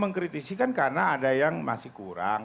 mengkritisi kan karena ada yang masih kurang